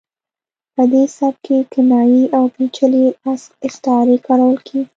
په دې سبک کې کنایې او پیچلې استعارې کارول کیږي